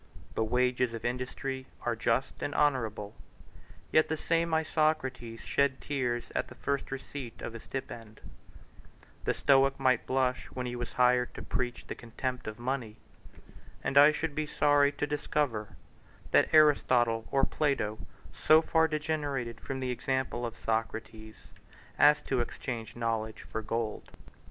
The wages of industry are just and honorable, yet the same Isocrates shed tears at the first receipt of a stipend: the Stoic might blush when he was hired to preach the contempt of money; and I should be sorry to discover that Aristotle or Plato so far degenerated from the example of Socrates, as to exchange knowledge for gold.